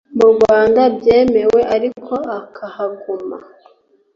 Mu rwanda byemewe ariko akahaguma